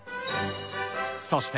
そして、